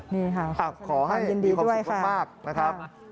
นี่ค่ะขอให้มีความสุขมากนะครับสวัสดีด้วยค่ะ